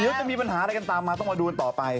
จะมีปัญหาอะไรกันตามมาต้องมาดูกันต่อไป